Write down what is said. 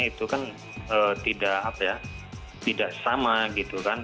itu kan tidak sama gitu kan